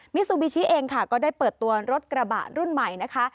ซูบิชิเองค่ะก็ได้เปิดตัวรถกระบะรุ่นใหม่นะคะ